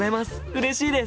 うれしいです！